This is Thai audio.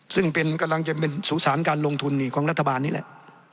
ซึ่งเป็นกำลังจะเป็นสู่สารการลงทุนของรัฐบาลนี่แหละ